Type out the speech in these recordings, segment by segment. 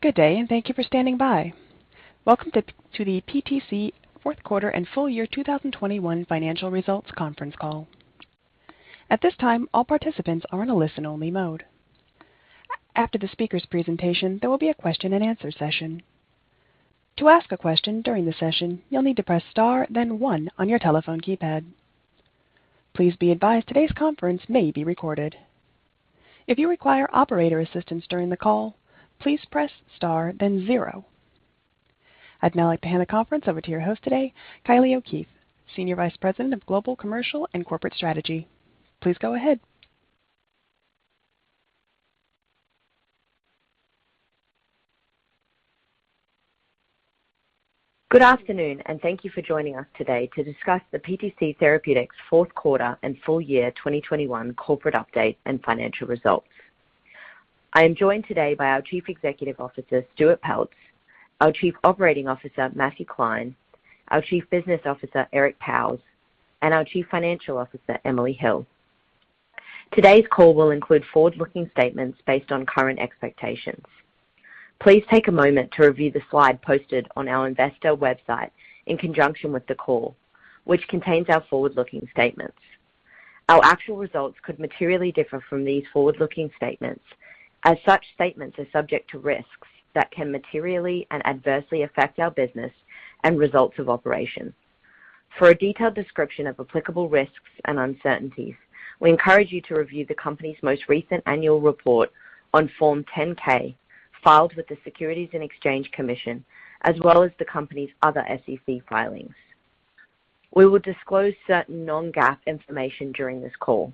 Good day, and thank you for standing by. Welcome to the PTC Fourth Quarter and Full Year 2021 Financial Results Conference Call. At this time, all participants are in a listen-only mode. After the speaker's presentation, there will be a question-and-answer session. To ask a question during the session, you'll need to press star, then one on your telephone keypad. Please be advised today's conference may be recorded. If you require operator assistance during the call, please press Star then zero. I'd now like to hand the conference over to your host today, Kylie O'Keefe, Senior Vice President of Global Commercial and Corporate Strategy. Please go ahead. Good afternoon, and thank you for joining us today to discuss the PTC Therapeutics fourth quarter and full year 2021 corporate update and financial results. I am joined today by our Chief Executive Officer, Stuart Peltz, our Chief Operating Officer, Matthew Klein, our Chief Business Officer, Eric Pauwels, and our Chief Financial Officer, Emily Hill. Today's call will include forward-looking statements based on current expectations. Please take a moment to review the slide posted on our investor website in conjunction with the call, which contains our forward-looking statements. Our actual results could materially differ from these forward-looking statements. As such statements are subject to risks that can materially and adversely affect our business and results of operations. For a detailed description of applicable risks and uncertainties, we encourage you to review the company's most recent annual report on Form 10-K filed with the Securities and Exchange Commission, as well as the company's other SEC filings. We will disclose certain non-GAAP information during this call.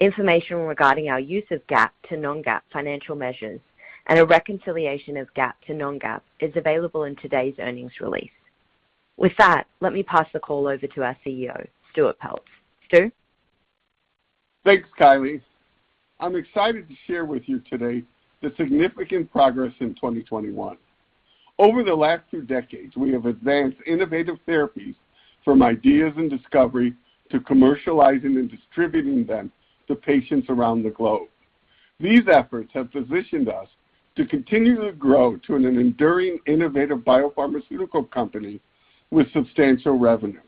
Information regarding our use of GAAP to non-GAAP financial measures and a reconciliation of GAAP to non-GAAP is available in today's earnings release. With that, let me pass the call over to our CEO, Stuart Peltz. Stu? Thanks, Kylie. I'm excited to share with you today the significant progress in 2021. Over the last two decades, we have advanced innovative therapies from ideas and discovery to commercializing and distributing them to patients around the globe. These efforts have positioned us to continue to grow to an enduring innovative biopharmaceutical company with substantial revenues.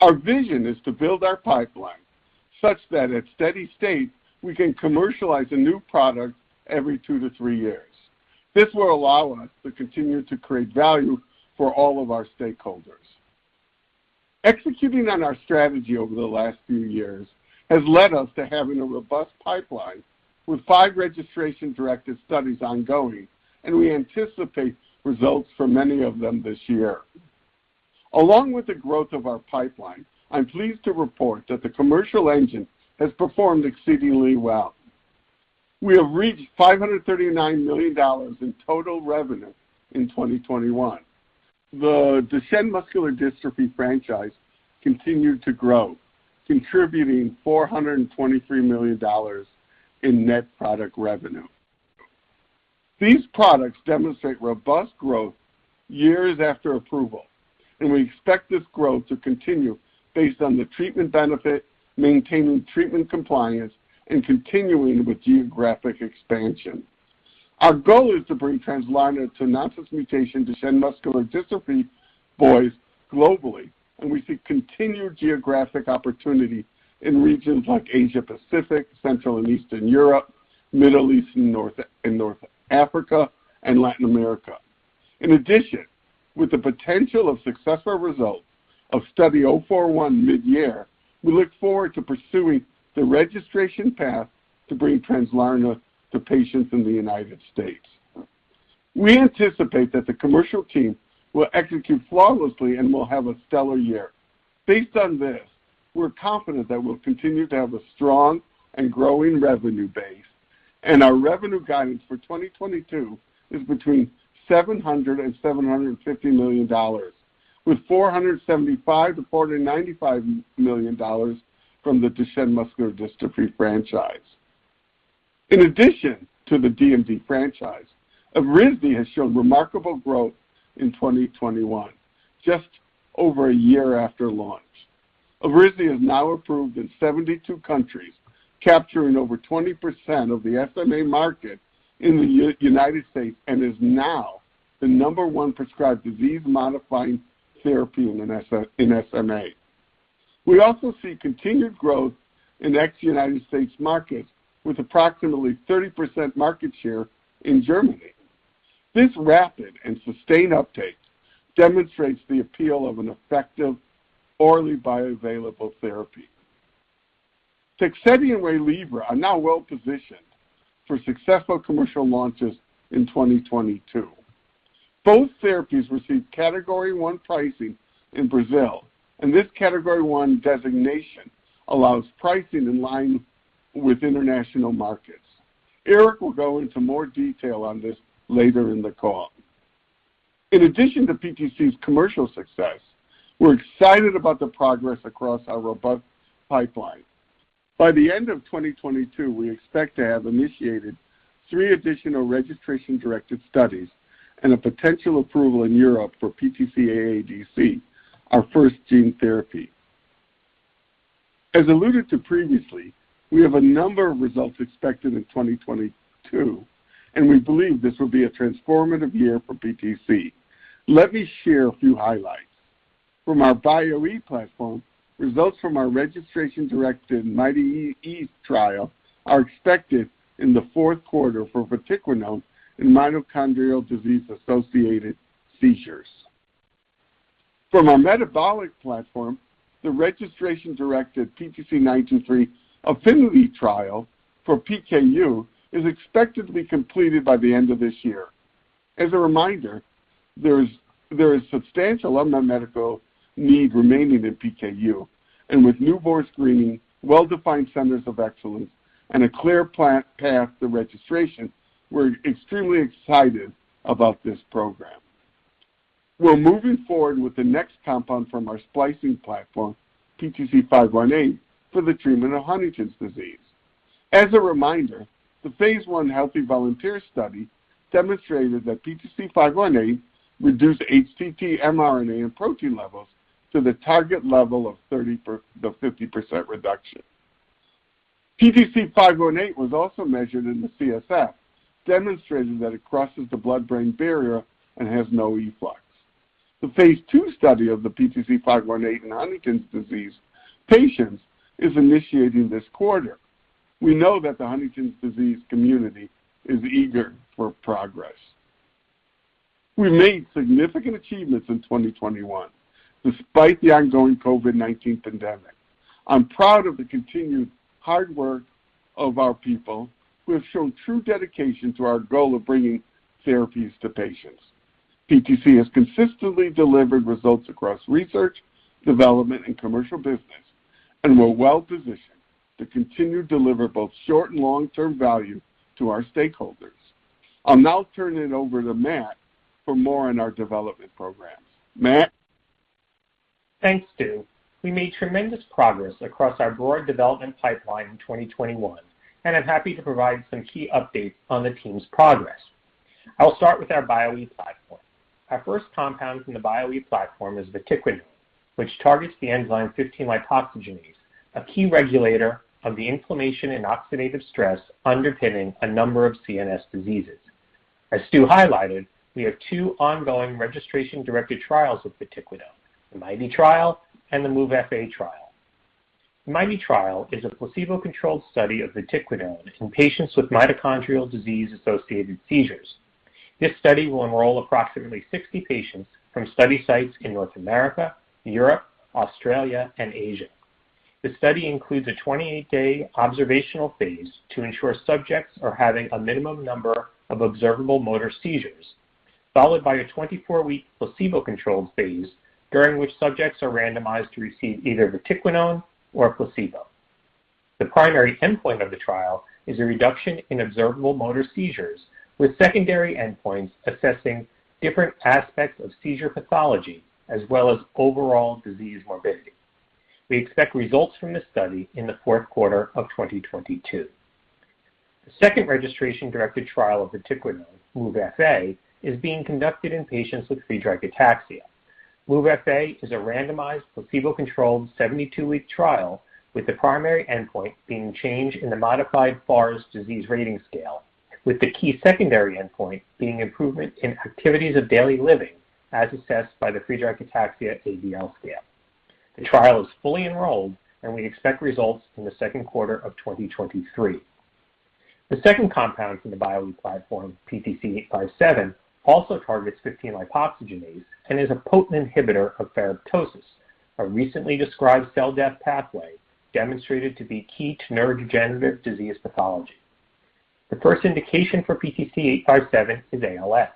Our vision is to build our pipeline such that at steady state, we can commercialize a new product every two to three years. This will allow us to continue to create value for all of our stakeholders. Executing on our strategy over the last few years has led us to having a robust pipeline with five registration-directed studies ongoing, and we anticipate results for many of them this year. Along with the growth of our pipeline, I'm pleased to report that the commercial engine has performed exceedingly well. We have reached $539 million in total revenue in 2021. The Duchenne muscular dystrophy franchise continued to grow, contributing $423 million in net product revenue. These products demonstrate robust growth years after approval, and we expect this growth to continue based on the treatment benefit, maintaining treatment compliance, and continuing with geographic expansion. Our goal is to bring Translarna to nonsense mutation Duchenne muscular dystrophy boys globally, and we see continued geographic opportunity in regions like Asia-Pacific, Central and Eastern Europe, Middle East and North Africa, and Latin America. In addition, with the potential of successful results of Study 041 mid-year, we look forward to pursuing the registration path to bring Translarna to patients in the United States. We anticipate that the commercial team will execute flawlessly and will have a stellar year. Based on this, we're confident that we'll continue to have a strong and growing revenue base, and our revenue guidance for 2022 is between $700 million and $750 million, with $475 million-$495 million from the Duchenne muscular dystrophy franchise. In addition to the DMD franchise, Evrysdi has shown remarkable growth in 2021, just over a year after launch, and is now approved in 72 countries, capturing over 20% of the SMA market in the U.S. and is now the number one prescribed disease-modifying therapy in SMA. We also see continued growth in ex-U.S. markets, with approximately 30% market share in Germany. This rapid and sustained uptake demonstrates the appeal of an effective orally bioavailable therapy. Tegsedi and Waylivra are now well positioned for successful commercial launches in 2022. Both therapies received Category 1 pricing in Brazil, and this Category 1 designation allows pricing in line with international markets. Eric will go into more detail on this later in the call. In addition to PTC's commercial success, we're excited about the progress across our robust pipeline. By the end of 2022, we expect to have initiated three additional registration-directed studies and a potential approval in Europe for PTC-AADC, our first gene therapy. As alluded to previously, we have a number of results expected in 2022, and we believe this will be a transformative year for PTC. Let me share a few highlights. From our Bio-e platform, results from our registration-directed MIT-E trial are expected in the fourth quarter for vatiquinone in mitochondrial disease-associated seizures. From our metabolic platform, the registration-directed PTC923 APHENITY trial for PKU is expected to be completed by the end of this year. As a reminder, there is substantial unmet medical need remaining in PKU, and with newborn screening, well-defined centers of excellence, and a clear plan path to registration, we're extremely excited about this program. We're moving forward with the next compound from our splicing platform, PTC518, for the treatment of Huntington's disease. As a reminder, the phase I healthy volunteer study demonstrated that PTC518 reduced HTT mRNA and protein levels to the target level of 30%-50% reduction. PTC518 was also measured in the CSF, demonstrating that it crosses the blood-brain barrier and has no efflux. The phase II study of PTC518 in Huntington's disease patients is initiating this quarter. We know that the Huntington's disease community is eager for progress. We made significant achievements in 2021 despite the ongoing COVID-19 pandemic. I'm proud of the continued hard work of our people who have shown true dedication to our goal of bringing therapies to patients. PTC has consistently delivered results across research, development, and commercial business, and we're well-positioned to continue to deliver both short and long-term value to our stakeholders. I'll now turn it over to Matt for more on our development programs. Matt? Thanks, Stu. We made tremendous progress across our broad development pipeline in 2021, and I'm happy to provide some key updates on the team's progress. I'll start with our Bio-e platform. Our first compound from the Bio-e platform is vatiquinone, which targets the enzyme 15-lipoxygenase, a key regulator of the inflammation and oxidative stress underpinning a number of CNS diseases. As Stu highlighted, we have two ongoing registration-directed trials with Vatiquinone, the MIT-E trial and the MOVE-FA trial. The MIT-E trial is a placebo-controlled study of Vatiquinone in patients with mitochondrial disease-associated seizures. This study will enroll approximately 60 patients from study sites in North America, Europe, Australia, and Asia. The study includes a 28-day observational phase to ensure subjects are having a minimum number of observable motor seizures, followed by a 24-week placebo-controlled phase during which subjects are randomized to receive either Vatiquinone or a placebo. The primary endpoint of the trial is a reduction in observable motor seizures, with secondary endpoints assessing different aspects of seizure pathology as well as overall disease morbidity. We expect results from this study in the fourth quarter of 2022. The second registration-directed trial of vatiquinone, MOVE-FA, is being conducted in patients with Friedreich ataxia. MOVE-FA is a randomized placebo-controlled 72-week trial with the primary endpoint being change in the modified Friedreich Ataxia Rating Scale, with the key secondary endpoint being improvement in activities of daily living as assessed by the Friedreich ataxia ADL scale. The trial is fully enrolled, and we expect results in the second quarter of 2023. The second compound from the Bio-e platform, PTC857, also targets 15-lipoxygenase and is a potent inhibitor of ferroptosis, a recently described cell death pathway demonstrated to be key to neurodegenerative disease pathology. The first indication for PTC857 is ALS.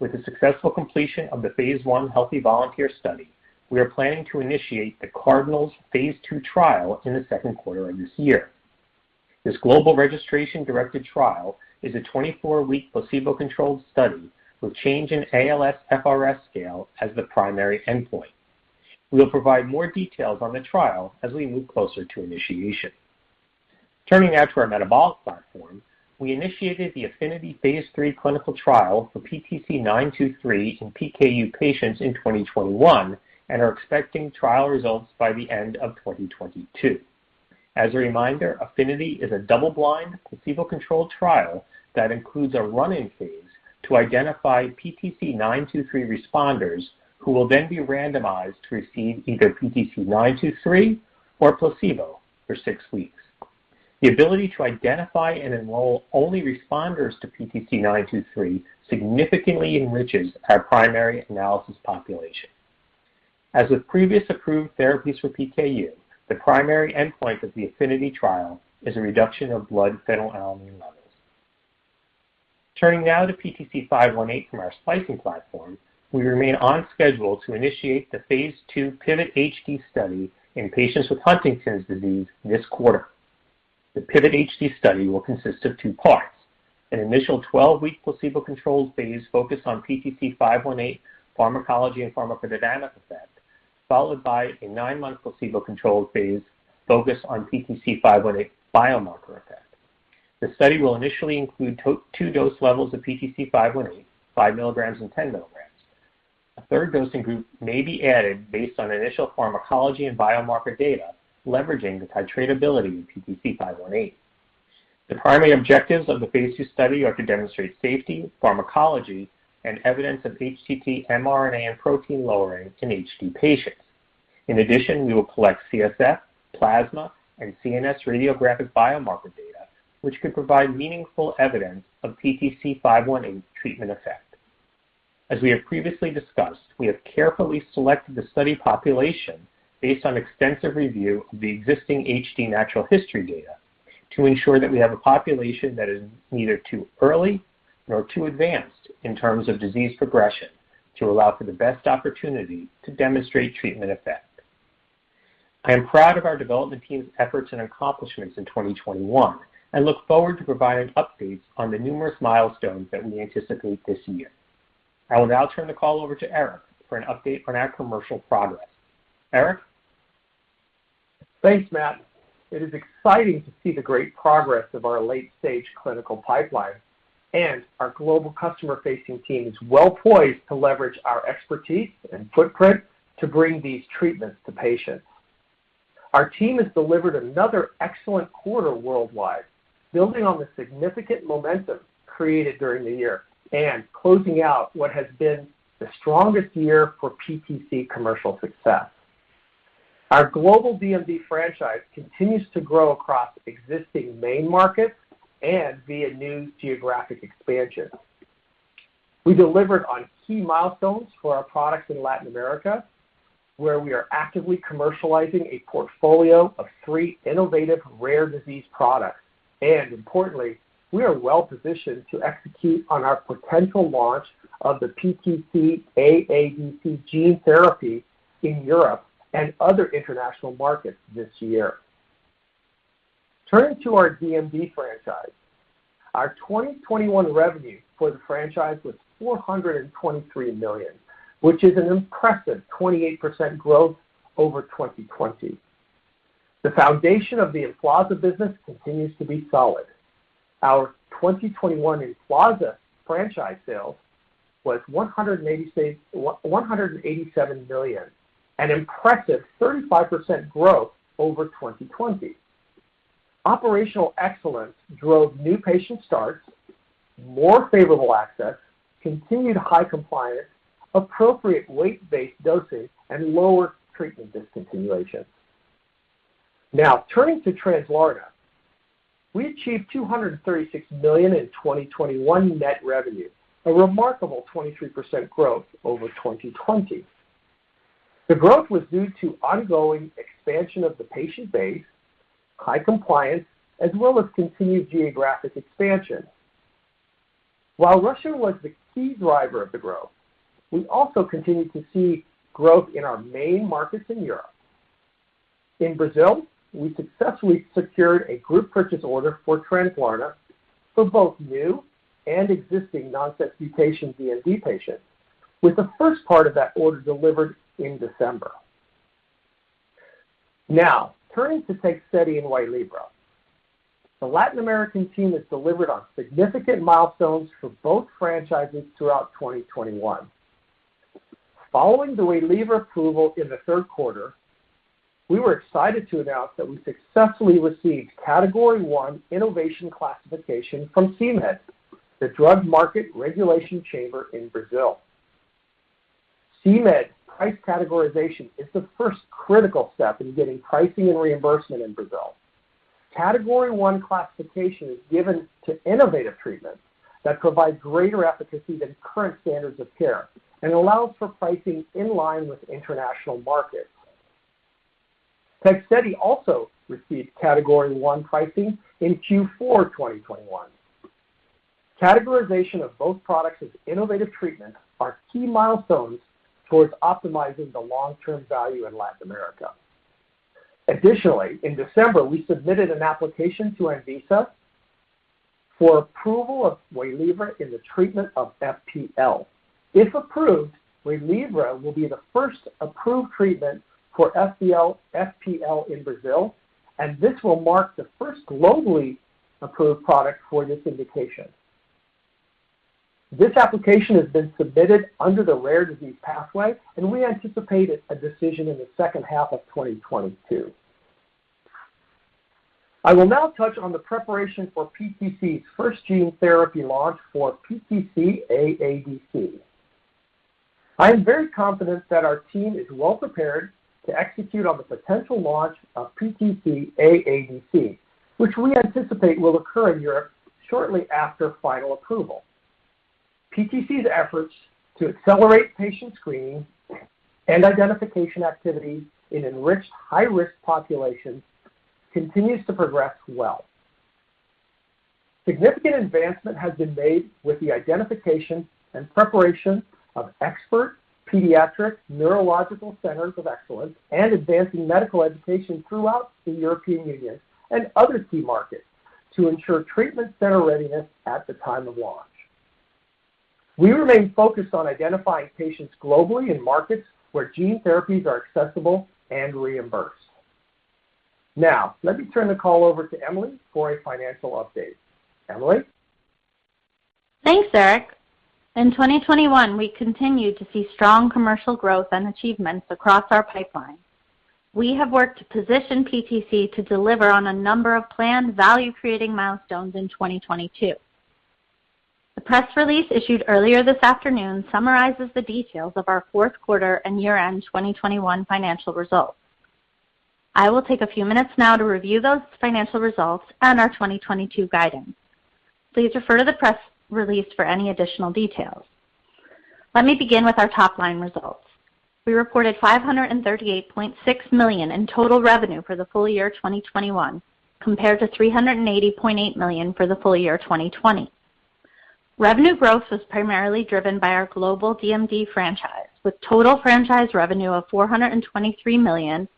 With the successful completion of the phase I healthy volunteer study, we are planning to initiate the CardinALS phase II trial in the second quarter of this year. This global registration-directed trial is a 24-week placebo-controlled study with change in ALSFRS scale as the primary endpoint. We will provide more details on the trial as we move closer to initiation. Turning now to our metabolic platform. We initiated the APHENITY phase III clinical trial for PTC923 in PKU patients in 2021 and are expecting trial results by the end of 2022. As a reminder, APHENITY is a double-blind placebo-controlled trial that includes a run-in phase to identify PTC923 responders who will then be randomized to receive either PTC923 or a placebo for six weeks. The ability to identify and enroll only responders to PTC923 significantly enriches our primary analysis population. As with previous approved therapies for PKU, the primary endpoint of the APHENITY trial is a reduction of blood phenylalanine levels. Turning now to PTC518 from our splicing platform. We remain on schedule to initiate the phase II PIVOT-HD study in patients with Huntington's disease this quarter. The PIVOT-HD study will consist of two parts, an initial 12-week placebo-controlled phase focused on PTC518 pharmacology and pharmacodynamic effect, followed by a nine-month placebo-controlled phase focused on PTC518 biomarker effect. The study will initially include two dose levels of PTC518, 5 mg and 10 mg. A third dosing group may be added based on initial pharmacology and biomarker data, leveraging the titratability of PTC518. The primary objectives of the phase II study are to demonstrate safety, pharmacology, and evidence of HTT mRNA and protein lowering in HD patients. In addition, we will collect CSF, plasma, and CNS radiographic biomarker data, which could provide meaningful evidence of PTC518 treatment effect. As we have previously discussed, we have carefully selected the study population based on extensive review of the existing HD natural history data to ensure that we have a population that is neither too early nor too advanced in terms of disease progression to allow for the best opportunity to demonstrate treatment effect. I am proud of our development team's efforts and accomplishments in 2021 and look forward to providing updates on the numerous milestones that we anticipate this year. I will now turn the call over to Eric for an update on our commercial progress. Eric? Thanks, Matt. It is exciting to see the great progress of our late-stage clinical pipeline, and our global customer-facing team is well-poised to leverage our expertise and footprint to bring these treatments to patients. Our team has delivered another excellent quarter worldwide, building on the significant momentum created during the year and closing out what has been the strongest year for PTC commercial success. Our global DMD franchise continues to grow across existing main markets and via new geographic expansion. We delivered on key milestones for our products in Latin America, where we are actively commercializing a portfolio of three innovative rare disease products. Importantly, we are well-positioned to execute on our potential launch of the PTC-AADC gene therapy in Europe and other international markets this year. Turning to our DMD franchise, our 2021 revenue for the franchise was $423 million, which is an impressive 28% growth over 2020. The foundation of the Emflaza business continues to be solid. Our 2021 Emflaza franchise sales was $187 million, an impressive 35% growth over 2020. Operational excellence drove new patient starts, more favorable access, continued high compliance, appropriate weight-based dosing, and lower treatment discontinuation. Now, turning to Translarna. We achieved $236 million in 2021 net revenue, a remarkable 23% growth over 2020. The growth was due to ongoing expansion of the patient base, high compliance, as well as continued geographic expansion. While Russia was the key driver of the growth, we also continued to see growth in our main markets in Europe. In Brazil, we successfully secured a group purchase order for Translarna for both new and existing nonsense mutation DMD patients, with the first part of that order delivered in December. Now, turning to Tegsedi and Waylivra. The Latin American team has delivered on significant milestones for both franchises throughout 2021. Following the Waylivra approval in the third quarter, we were excited to announce that we successfully received Category 1 innovation classification from CMED, the Drug Market Regulation Chamber in Brazil. CMED price categorization is the first critical step in getting pricing and reimbursement in Brazil. Category 1 classification is given to innovative treatments that provide greater efficacy than current standards of care and allows for pricing in line with international markets. Tegsedi also received Category 1 pricing in Q4 2021. Categorization of both products as innovative treatment are key milestones towards optimizing the long-term value in Latin America. Additionally, in December, we submitted an application to Anvisa for approval of Waylivra in the treatment of FPL. If approved, Waylivra will be the first approved treatment for FPL in Brazil, and this will mark the first globally approved product for this indication. This application has been submitted under the rare disease pathway, and we anticipate a decision in the second half of 2022. I will now touch on the preparation for PTC's first gene therapy launch for PTC-AADC. I am very confident that our team is well-prepared to execute on the potential launch of PTC-AADC, which we anticipate will occur in Europe shortly after final approval. PTC's efforts to accelerate patient screening and identification activity in enriched high-risk populations continues to progress well. Significant advancement has been made with the identification and preparation of expert pediatric neurological centers of excellence and advancing medical education throughout the European Union and other key markets to ensure treatment center readiness at the time of launch. We remain focused on identifying patients globally in markets where gene therapies are accessible and reimbursed. Now let me turn the call over to Emily for a financial update. Emily? Thanks, Eric. In 2021, we continued to see strong commercial growth and achievements across our pipeline. We have worked to position PTC to deliver on a number of planned value-creating milestones in 2022. The press release issued earlier this afternoon summarizes the details of our fourth quarter and year-end 2021 financial results. I will take a few minutes now to review those financial results and our 2022 guidance. Please refer to the press release for any additional details. Let me begin with our top-line results. We reported $538.6 million in total revenue for the full year 2021, compared to $380.8 million for the full year 2020. Revenue growth was primarily driven by our global DMD franchise, with total franchise revenue of $423 million,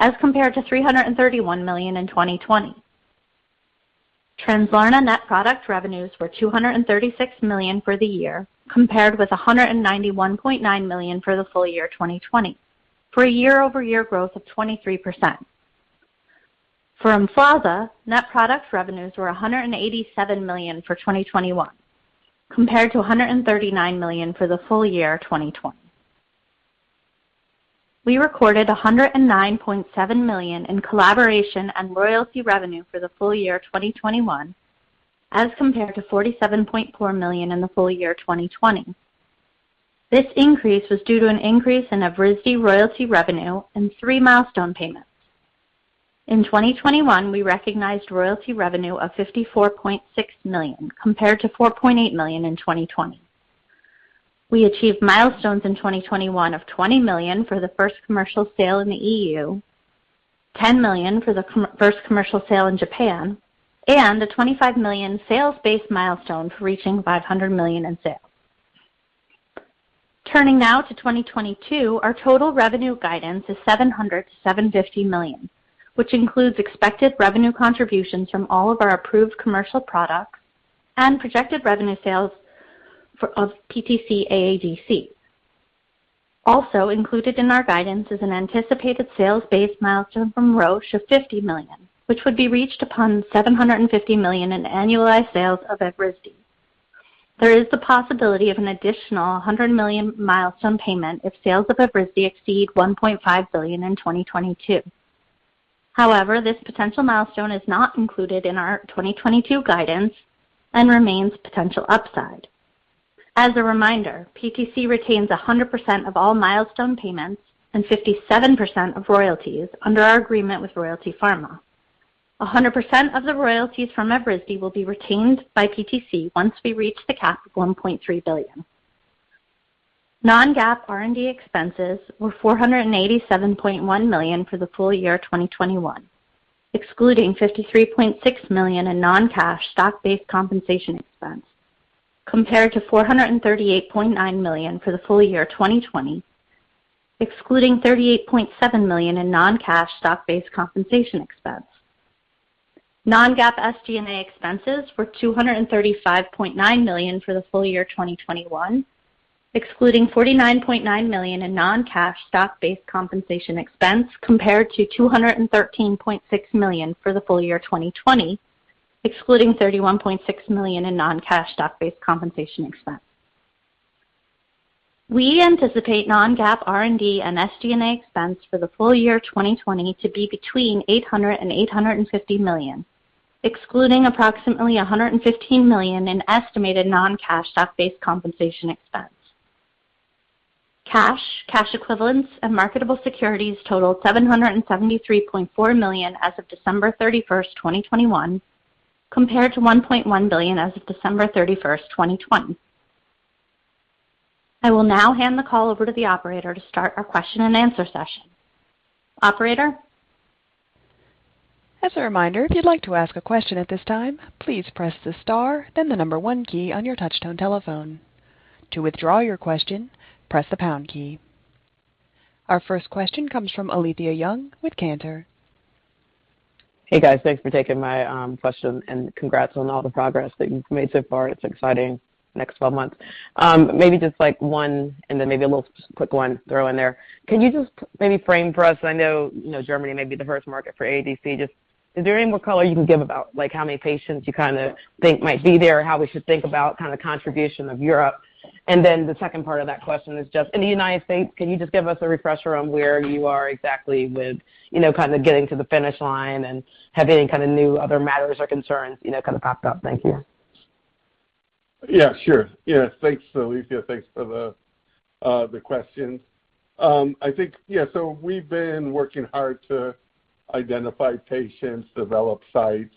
as compared to $331 million in 2020. Translarna net product revenues were $236 million for the year, compared with $191.9 million for the full year 2020, for a 23% year-over-year growth. For Emflaza, net product revenues were $187 million for 2021, compared to $139 million for the full year 2020. We recorded $109.7 million in collaboration and royalty revenue for the full year 2021, as compared to $47.4 million in the full year 2020. This increase was due to an increase in Evrysdi royalty revenue and three milestone payments. In 2021, we recognized royalty revenue of $54.6 million, compared to $4.8 million in 2020. We achieved milestones in 2021 of $20 million for the first commercial sale in the EU, $10 million for the first commercial sale in Japan, and a $25 million sales-based milestone for reaching $500 million in sales. Turning now to 2022, our total revenue guidance is $700 million-$750 million, which includes expected revenue contributions from all of our approved commercial products and projected revenue sales of PTC AADC. Also included in our guidance is an anticipated sales-based milestone from Roche of $50 million, which would be reached upon $750 million in annualized sales of Evrysdi. There is the possibility of an additional $100 million milestone payment if sales of Evrysdi exceed $1.5 billion in 2022. However, this potential milestone is not included in our 2022 guidance and remains potential upside. As a reminder, PTC retains 100% of all milestone payments and 57% of royalties under our agreement with Royalty Pharma. 100% of the royalties from Evrysdi will be retained by PTC once we reach the cap of $1.3 billion. Non-GAAP R&D expenses were $487.1 million for the full year 2021, excluding $53.6 million in non-cash stock-based compensation expense, compared to $438.9 million for the full year 2020, excluding $38.7 million in non-cash stock-based compensation expense. Non-GAAP SG&A expenses were $235.9 million for the full year 2021, excluding $49.9 million in non-cash stock-based compensation expense, compared to $213.6 million for the full year 2020, excluding $31.6 million in non-cash stock-based compensation expense. We anticipate non-GAAP R&D and SG&A expense for the full year 2022 to be between $800 million and $850 million, excluding approximately $115 million in estimated non-cash stock-based compensation expense. Cash, cash equivalents, and marketable securities totaled $773.4 million as of December 31st, 2021, compared to $1.1 billion as of December 31st, 2020. I will now hand the call over to the operator to start our question and answer session. Operator? Just a reminder, if you'd like to ask a question at this time, please press the star and the number one key on your touch-tone telephone. To withdraw your question, press the pound key. Our first question comes from Alethia Young with Cantor. Hey, guys. Thanks for taking my question and congrats on all the progress that you've made so far. It's exciting next 12 months. Maybe just like one and then maybe a little quick one throw in there. Can you just maybe frame for us. I know, you know, Germany may be the first market for AADC. Just is there any more color you can give about like how many patients you kinda think might be there, or how we should think about kind of contribution of Europe? And then the second part of that question is just, in the United States, can you just give us a refresher on where you are exactly with, you know, kinda getting to the finish line and have any kind of new or other matters or concerns, you know, kind of popped up? Thank you. Yeah, sure. Yeah, thanks, Alethia. Thanks for the questions. I think we've been working hard to identify patients, develop sites,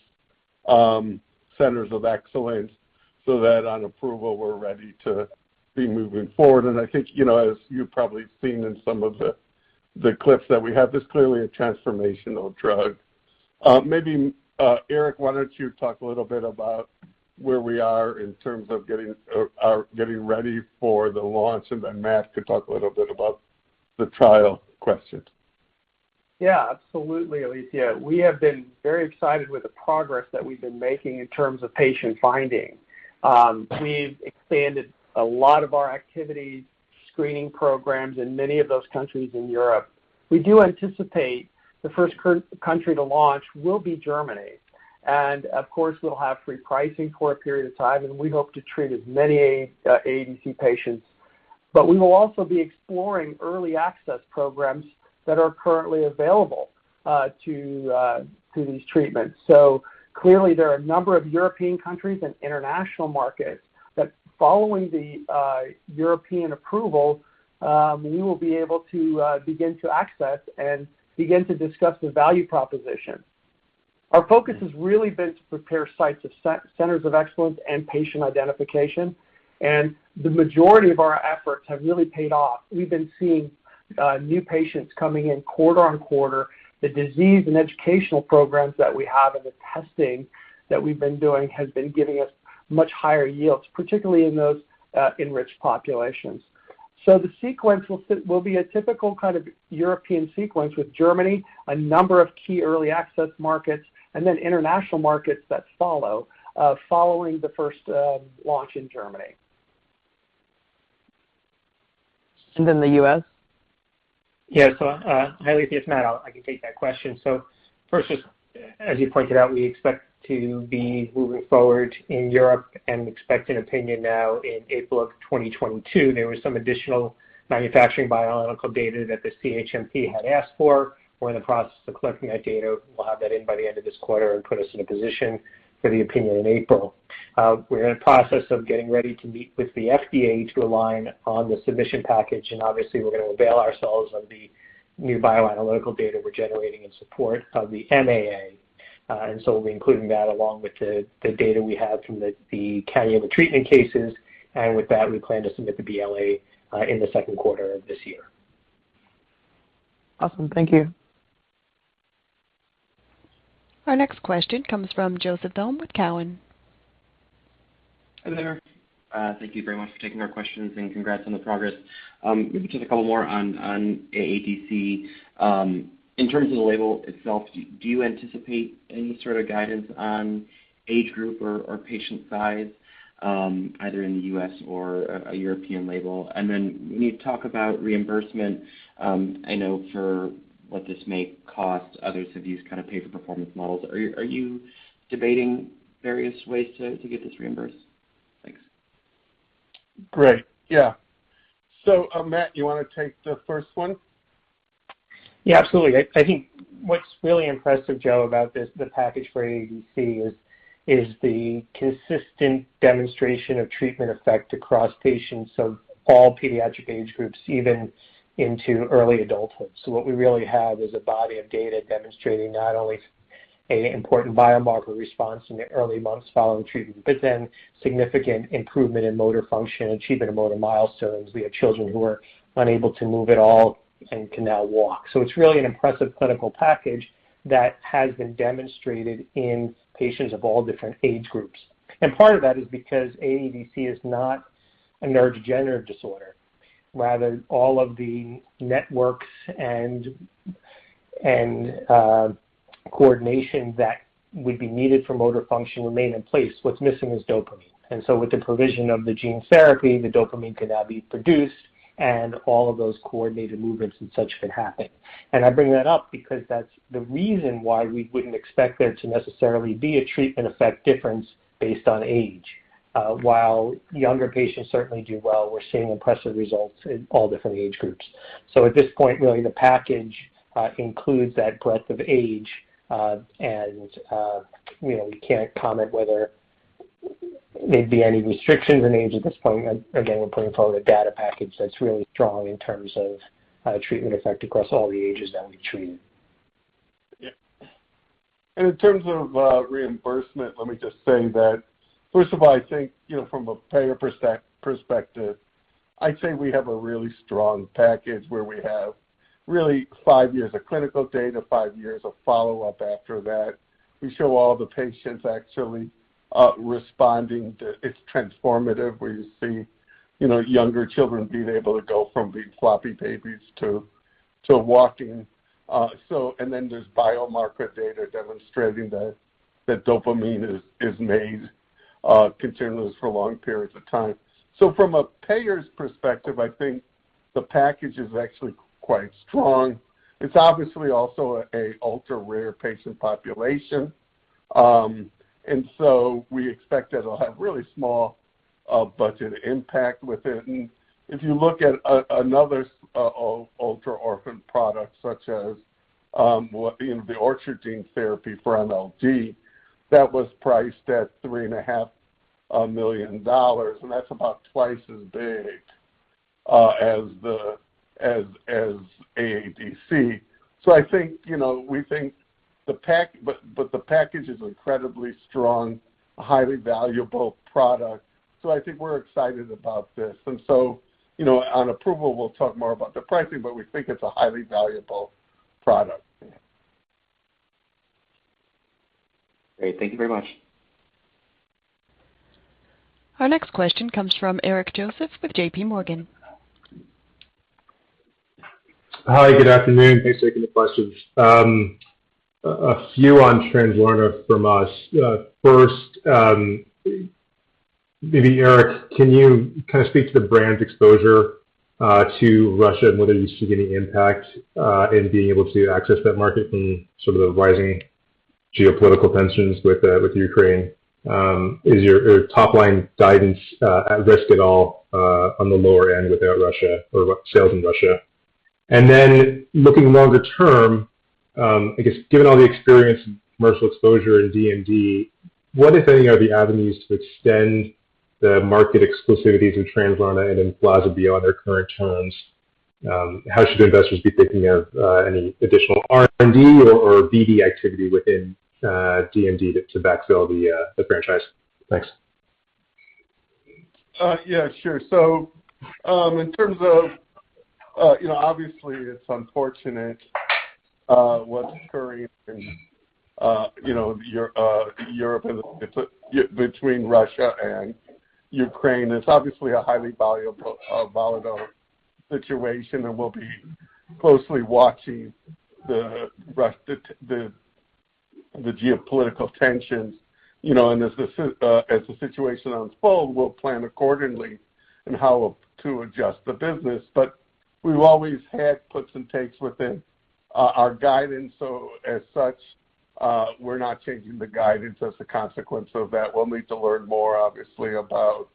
centers of excellence so that on approval, we're ready to be moving forward. I think, you know, as you've probably seen in some of the clips that we have, this is clearly a transformational drug. Maybe Eric, why don't you talk a little bit about where we are in terms of getting ready for the launch, and then Matt could talk a little bit about the trial questions. Yeah, absolutely, Alethia. We have been very excited with the progress that we've been making in terms of patient finding. We've expanded a lot of our activities, screening programs in many of those countries in Europe. We do anticipate the first country to launch will be Germany. Of course, we'll have free pricing for a period of time, and we hope to treat as many AADC patients. We will also be exploring early access programs that are currently available to these treatments. Clearly there are a number of European countries and international markets that following the European approval, we will be able to begin to access and begin to discuss the value proposition. Our focus has really been to prepare sites of centers of excellence and patient identification, and the majority of our efforts have really paid off. We've been seeing new patients coming in quarter on quarter. The disease and educational programs that we have and the testing that we've been doing has been giving us much higher yields, particularly in those enriched populations. The sequence will be a typical kind of European sequence with Germany, a number of key early access markets and then international markets that follow, following the first launch in Germany. And then the U.S.? Yes. Hi, Alethia, it's Matthew. I can take that question. First, just as you pointed out, we expect to be moving forward in Europe and expect an opinion now in April 2022. There was some additional manufacturing bioanalytical data that the CHMP had asked for. We're in the process of collecting that data. We'll have that in by the end of this quarter and put us in a position for the opinion in April. We're in the process of getting ready to meet with the FDA to align on the submission package, and obviously we're gonna avail ourselves of the new bioanalytical data we're generating in support of the MAA. We'll be including that along with the data we have from the current treatment cases. With that, we plan to submit the BLA in the second quarter of this year. Awesome. Thank you. Our next question comes from Joseph Thome with Cowen. Hi there. Thank you very much for taking our questions, and congrats on the progress. Maybe just a couple more on AADC. In terms of the label itself, do you anticipate any sort of guidance on age group or patient size, either in the U.S. or a European label? When you talk about reimbursement, I know for what this may cost others of these kind of pay-for-performance models, are you debating various ways to get this reimbursed? Thanks. Great. Yeah. Matt, you wanna take the first one? Yeah, absolutely. I think what's really impressive, Joe, about this, the package for AADC is the consistent demonstration of treatment effect across patients of all pediatric age groups, even into early adulthood. What we really have is a body of data demonstrating not only an important biomarker response in the early months following treatment, but then significant improvement in motor function, achievement of motor milestones. We have children who are unable to move at all and can now walk. It's really an impressive clinical package that has been demonstrated in patients of all different age groups. Part of that is because AADC is not a neurodegenerative disorder. Rather all of the networks and coordination that would be needed for motor function remain in place. What's missing is dopamine. With the provision of the gene therapy, the dopamine can now be produced, and all of those coordinated movements and such can happen. I bring that up because that's the reason why we wouldn't expect there to necessarily be a treatment effect difference based on age. While younger patients certainly do well, we're seeing impressive results in all different age groups. At this point, really the package includes that breadth of age. You know, we can't comment whether there'd be any restrictions in age at this point. Again, we're putting forward a data package that's really strong in terms of treatment effect across all the ages that we treat. Yeah. In terms of reimbursement, let me just say that, first of all, I think, you know, from a payer perspective, I'd say we have a really strong package where we have really five years of clinical data, five years of follow-up after that. We show all the patients actually responding to. It's transformative where you see, you know, younger children being able to go from being floppy babies to walking. There's biomarker data demonstrating that dopamine is made continuous for long periods of time. From a payer's perspective, I think the package is actually quite strong. It's obviously also a ultra-rare patient population. And so, we expect that it'll have really small budget impact with it. If you look at another ultra-orphan product such as, well, you know, the Orchard therapy for MLD, that was priced at $3.5 million, and that's about twice as big as AADC. I think, you know, we think the package is incredibly strong, a highly valuable product. I think we're excited about this. On approval, we'll talk more about the pricing, but we think it's a highly valuable product. Yeah. Great. Thank you very much. Our next question comes from Eric Joseph with J.P. Morgan. Hi, good afternoon. Thanks for taking the questions. A few on Translarna from us. First, maybe Eric, can you kind of speak to the brand's exposure to Russia and whether you see any impact in being able to access that market and sort of the rising geopolitical tensions with Ukraine? Is your top-line guidance at risk at all on the lower end without Russia or sales in Russia? Looking longer term, I guess given all the experience, commercial exposure in DMD, what, if any, are the avenues to extend the market exclusivities of Translarna and then Emflaza beyond their current terms? How should investors be thinking of any additional R&D or BD activity within DMD to backfill the franchise? Thanks. Yeah, sure. In terms of, you know, obviously it's unfortunate, what's occurring in, you know, Europe and between Russia and Ukraine. It's obviously a highly volatile situation, and we'll be closely watching the geopolitical tensions, you know, and as the situation unfolds, we'll plan accordingly on how to adjust the business. We've always had puts and takes within our guidance. As such, we're not changing the guidance as a consequence of that. We'll need to learn more, obviously, about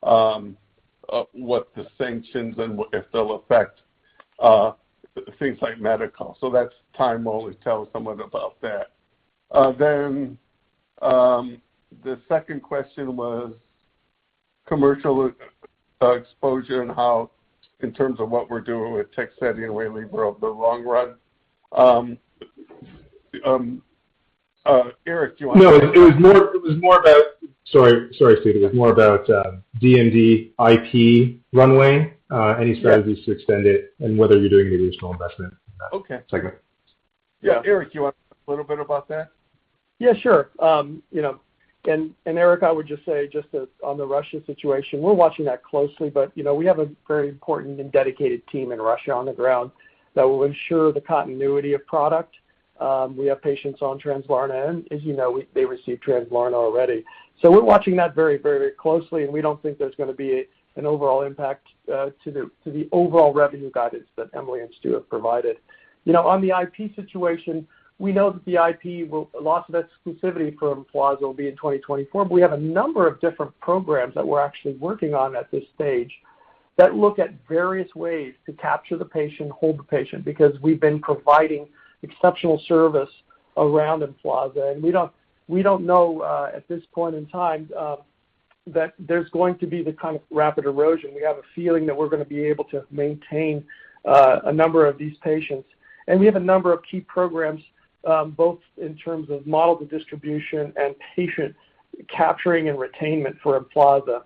what the sanctions and if they'll affect things like medical. Time will only tell somewhat about that. The second question was commercial exposure and how, in terms of what we're doing with Tegsedi and Waylivra over the long run. Eric, do you wanna take that? No, it was more about. Sorry, Stu. It was more about DMD IP runway, any strategies to extend it and whether you're doing any additional investment in that segment. Okay. Yeah. Eric, do you want to talk a little bit about that? Yeah, sure. You know, and Eric, I would just say that on the Russia situation, we're watching that closely, but you know, we have a very important and dedicated team in Russia on the ground that will ensure the continuity of product. We have patients on Translarna, and as you know, they receive Translarna already. We're watching that very, very closely, and we don't think there's gonna be an overall impact to the overall revenue guidance that Emily and Stu have provided. You know, on the IP situation, we know that the loss of exclusivity for Emflaza will be in 2024. We have a number of different programs that we're actually working on at this stage that look at various ways to capture the patient, hold the patient, because we've been providing exceptional service around Emflaza. We don't know at this point in time that there's going to be the kind of rapid erosion. We have a feeling that we're gonna be able to maintain a number of these patients. We have a number of key programs both in terms of models of distribution and patient capturing and retention for Emflaza.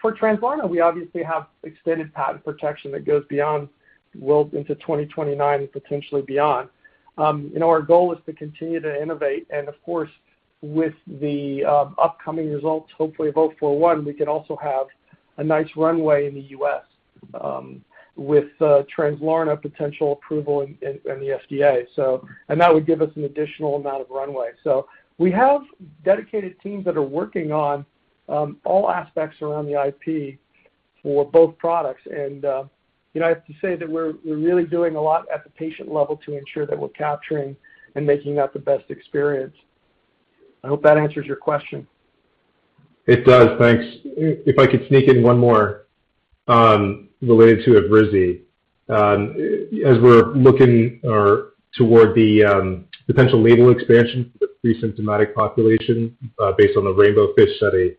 For Translarna, we obviously have extended patent protection that goes beyond, well, into 2029 and potentially beyond. You know, our goal is to continue to innovate and of course, with the upcoming results, hopefully from Study 041, we can also have a nice runway in the U.S. with Translarna potential approval in the FDA. That would give us an additional amount of runway. We have dedicated teams that are working on all aspects around the IP for both products. You know, I have to say that we're really doing a lot at the patient level to ensure that we're capturing and making that the best experience. I hope that answers your question. It does. Thanks. If I could sneak in one more related to Evrysdi. As we're looking toward the potential label expansion for the pre-symptomatic population, based on the RAINBOWFISH study,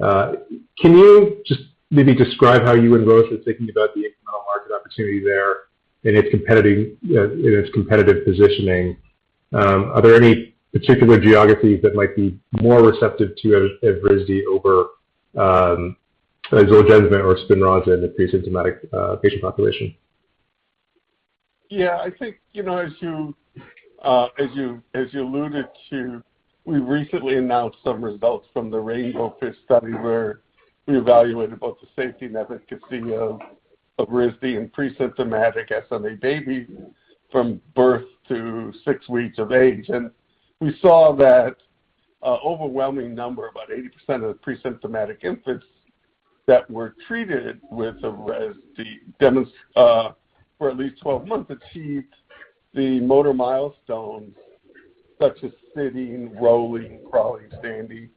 can you just maybe describe how you and Roche are thinking about the incremental market opportunity there and its competitive positioning? Are there any particular geographies that might be more receptive to Evrysdi over Zolgensma or Spinraza in the pre-symptomatic patient population? Yeah. I think, you know, as you alluded to, we recently announced some results from the RAINBOWFISH study where we evaluated both the safety and efficacy of Evrysdi in pre-symptomatic SMA babies from birth to six weeks of age. We saw that overwhelming number, about 80% of the pre-symptomatic infants that were treated with Evrysdi for at least 12 months achieved the motor milestones such as sitting, rolling, crawling, standing,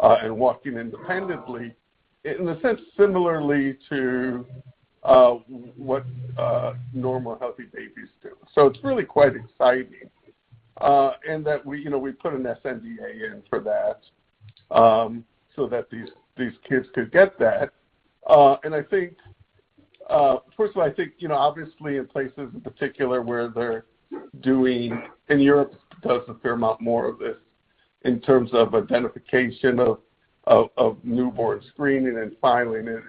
and walking independently, in a sense, similarly to what normal healthy babies do. It's really quite exciting, and that we, you know, we put an sNDA in for that, so that these kids could get that. I think, first of all, I think you know, obviously in places in particular where they're doing, and Europe does a fair amount more of this in terms of identification of newborn screening and filing it,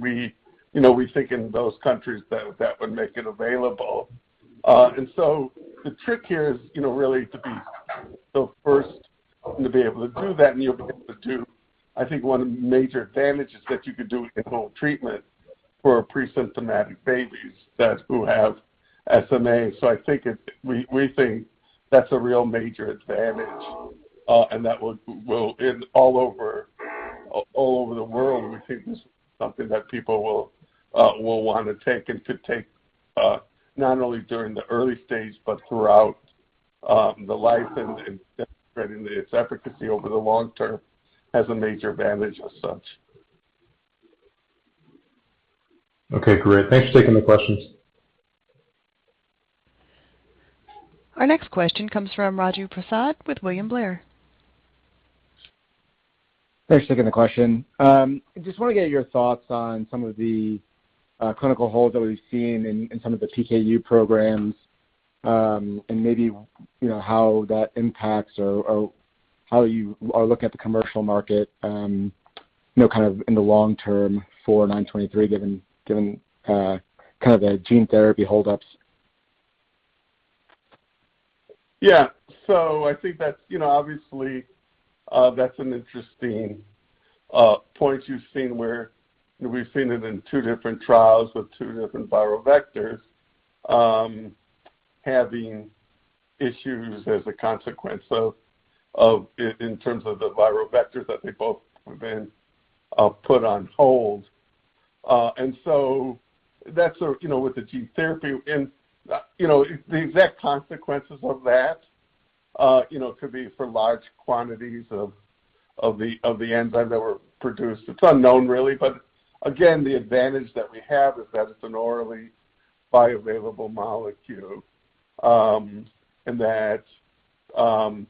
we, you know, we think in those countries that would make it available. The trick here is, you know, really to be the first to be able to do that, and you'll be able to do it. I think one of the major advantages that you could do with the whole treatment for pre-symptomatic babies who have SMA. I think we think that's a real major advantage. And that will be all over the world. We think this is something that people will wanna take and could take not only during the early stage but throughout the life, and demonstrating its efficacy over the long term has a major advantage as such. Okay, great. Thanks for taking the questions. Our next question comes from Raju Prasad with William Blair. Thanks for taking the question. I just wanna get your thoughts on some of the clinical holds that we've seen in some of the PKU programs, and maybe, you know, how that impacts or how you are looking at the commercial market, you know, kind of in the long term for PTC923, given kind of the gene therapy hold-ups? Yeah. I think that's, you know, obviously, that's an interesting point you've seen where we've seen it in two different trials with two different viral vectors, having issues as a consequence of in terms of the viral vectors that they both have been put on hold. You know, with the gene therapy and, you know, the exact consequences of that, you know, could be for large quantities of the enzyme that were produced. It's unknown really, but again, the advantage that we have is that it's an orally bioavailable molecule.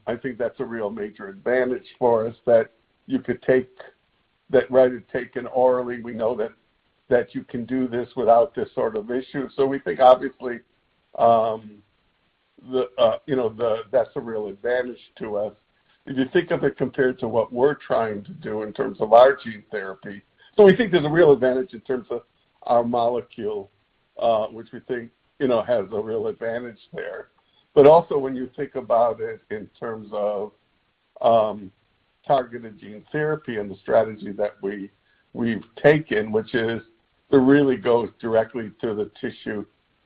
I think that's a real major advantage for us, that rather than take it orally, we know that you can do this without this sort of issue. We think obviously, you know, that's a real advantage to us if you think of it compared to what we're trying to do in terms of our gene therapy. We think there's a real advantage in terms of our molecule, which we think, you know, has a real advantage there. But also when you think about it in terms of targeted gene therapy and the strategy that we've taken, which is to really go directly to the tissue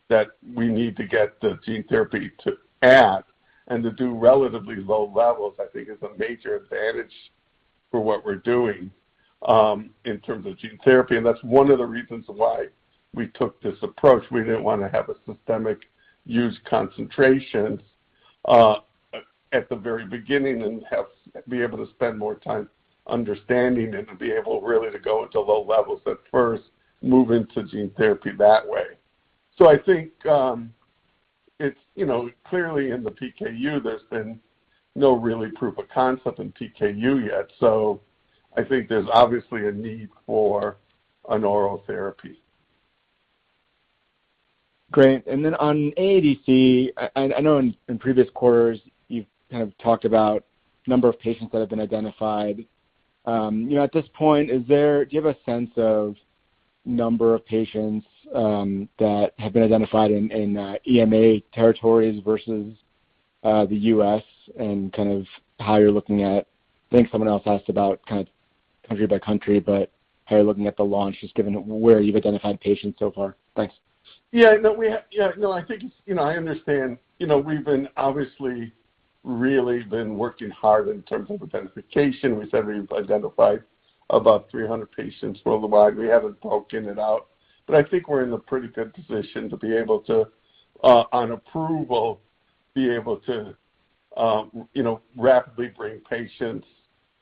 that we need to get the gene therapy to act and to do relatively low levels, I think is a major advantage for what we're doing in terms of gene therapy, and that's one of the reasons why we took this approach. We didn't wanna have a systemic use concentration at the very beginning and have be able to spend more time understanding and to be able really to go into low levels at first, move into gene therapy that way. I think it's, you know, clearly in the PKU there's been no really proof of concept in PKU yet. I think there's obviously a need for an oral therapy. Great. On AADC, I know in previous quarters you've kind of talked about number of patients that have been identified. You know, at this point, do you have a sense of number of patients that have been identified in EMA territories versus the U.S. and kind of how you're looking at the launch. I think someone else asked about kind of country by country, but how you're looking at the launch, just given where you've identified patients so far. Thanks. Yeah. No, I think it's, you know, I understand. You know, we've been obviously really working hard in terms of identification. We said we've identified about 300 patients worldwide. We haven't broken it out, but I think we're in a pretty good position to be able to, on approval, be able to, you know, rapidly bring patients,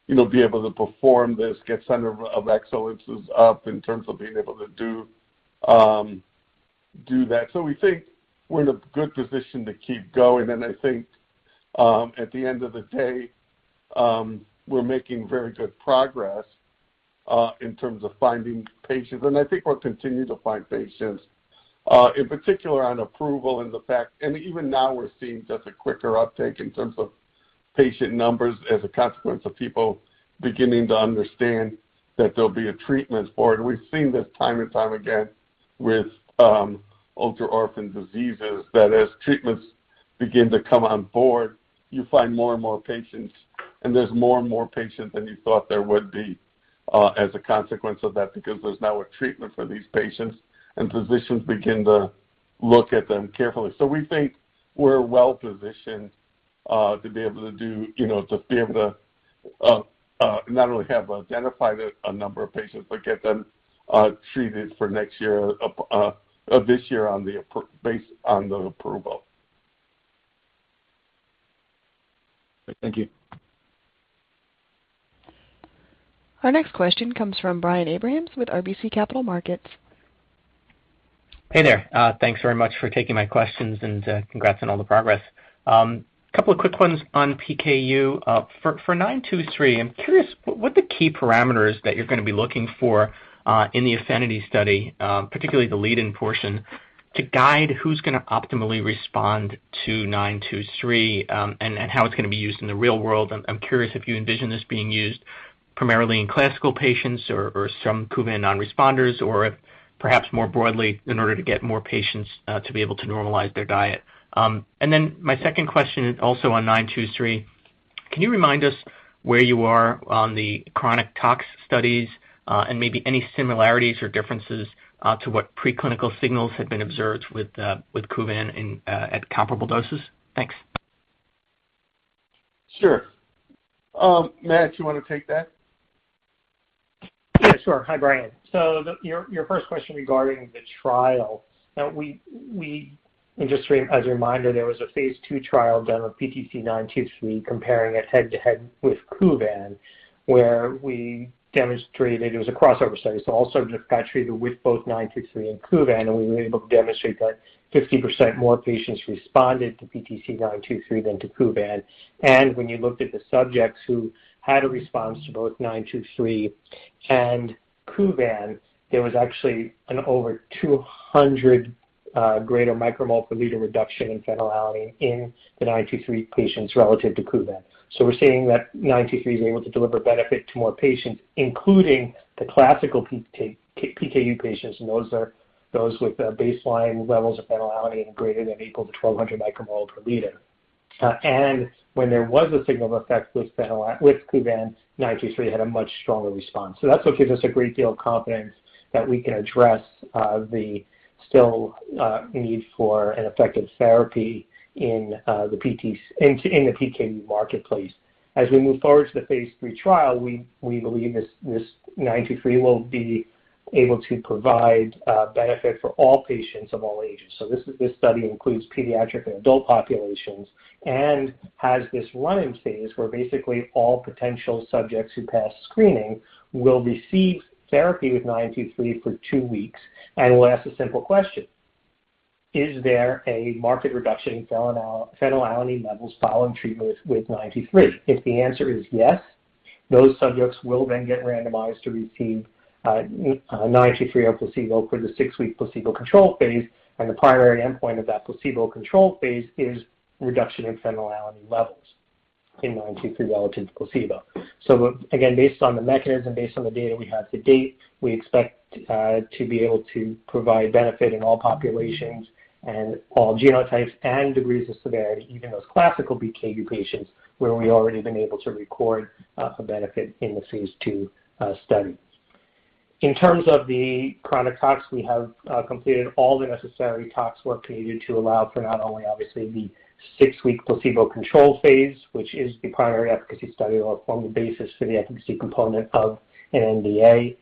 you know, be able to perform this, get centers of excellence up in terms of being able to do that. So we think we're in a good position to keep going, and I think, at the end of the day, we're making very good progress in terms of finding patients. I think we'll continue to find patients, in particular on approval and the fact... Even now we're seeing just a quicker uptake in terms of patient numbers as a consequence of people beginning to understand that there'll be a treatment for it. We've seen this time and time again with ultra-orphan diseases, that as treatments begin to come on board, you find more and more patients, and there's more and more patients than you thought there would be as a consequence of that because there's now a treatment for these patients, and physicians begin to look at them carefully. We think we're well positioned to be able to do, you know, to be able to not only have identified a number of patients but get them treated for next year, this year based on the approval. Thank you. Our next question comes from Brian Abrahams with RBC Capital Markets. Hey there. Thanks very much for taking my questions and congrats on all the progress. Couple of quick ones on PKU. For PTC923, I'm curious what the key parameters that you're gonna be looking for in the APHENITY study, particularly the lead-in portion, to guide who's gonna optimally respond to PTC923, and how it's gonna be used in the real world. I'm curious if you envision this being used primarily in classical patients or some Kuvan non-responders, or if perhaps more broadly in order to get more patients to be able to normalize their diet. My second question is also on PTC923. Can you remind us where you are on the chronic tox studies, and maybe any similarities or differences to what preclinical signals have been observed with Kuvan in at comparable doses? Thanks. Sure. Matt, you wanna take that? Yeah, sure. Hi, Brian. Your first question regarding the trial, and just as a reminder, there was a phase II trial done with PTC923 comparing it head-to-head with Kuvan, where we demonstrated it was a crossover study. All subjects got treated with both PTC923 and Kuvan, and we were able to demonstrate that 50% more patients responded to PTC923 than to Kuvan. When you looked at the subjects who had a response to both PTC923 and Kuvan, there was actually an over 200 greater μmol/L reduction in phenylalanine in the PTC923 patients relative to Kuvan. We're seeing that PTC923 is able to deliver benefit to more patients, including the classical PKU patients, and those with baseline levels of phenylalanine greater than or equal to 1,200 μmol/L. When there was a signal effect with Kuvan, PTC923 had a much stronger response. That's what gives us a great deal of confidence that we can address the unmet need for an effective therapy in the PKU marketplace. As we move forward to the phase III trial, we believe this PTC923 will be able to provide benefit for all patients of all ages. This study includes pediatric and adult populations and has this run-in phase where basically all potential subjects who pass screening will receive therapy with PTC923 for two weeks, and we'll ask a simple question. Is there a marked reduction in phenylalanine levels following treatment with PTC923? If the answer is yes, those subjects will then get randomized to receive PTC923 or placebo for the six-week placebo control phase, and the primary endpoint of that placebo control phase is reduction in phenylalanine levels in PTC923 relative to placebo. Again, based on the mechanism, based on the data we have to date, we expect to be able to provide benefit in all populations and all genotypes and degrees of severity, even those classical PKU patients where we've already been able to record a benefit in the phase II study. In terms of the chronic tox, we have completed all the necessary tox work needed to allow for not only obviously the six-week placebo control phase, which is the primary efficacy study or form the basis for the efficacy component of an NDA,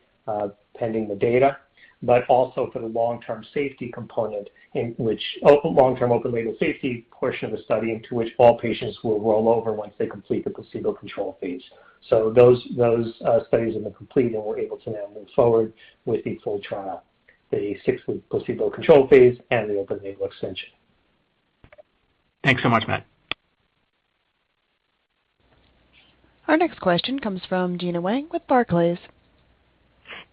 pending the data, but also for the long-term safety component in which long-term open-label safety portion of the study into which all patients will roll over once they complete the placebo control phase. Those studies have been complete, and we're able to now move forward with the full trial, the six-week placebo control phase and the open-label extension. Thanks so much, Matt. Our next question comes from Gena Wang with Barclays.